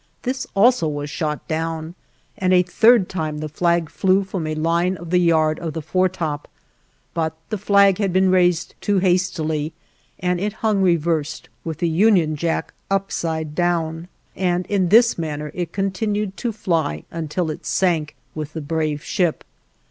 This was also shot down, and a third time the flag flew from a line of the yard of the foretop, but the flag had been raised too hastily and it hung reversed, with the Union Jack upside down, and in this manner it continued to fly until it sank with the brave ship.